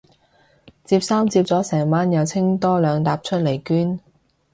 摺衫摺咗成晚又清多兩疊出嚟捐